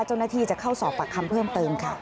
เจ้าหน้าที่จะเข้าสอบปากคำเพิ่มเติมค่ะ